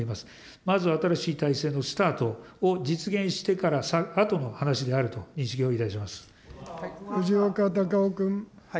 まず新しい体制のスタートを実現してからあとの話であると、藤岡隆雄君。